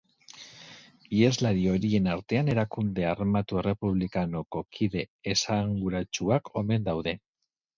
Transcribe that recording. Iheslari horien artean erakunde armatu errepublikanoko kide esanguratsuak omen daude.